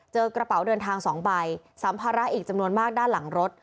กระเป๋าเดินทาง๒ใบสัมภาระอีกจำนวนมากด้านหลังรถ